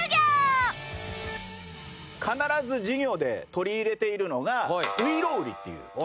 必ず授業で取り入れているのが「外郎売」っていう。